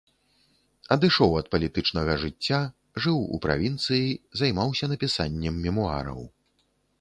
Адышоў ад палітычнага жыцця, жыў у правінцыі, займаўся напісаннем мемуараў.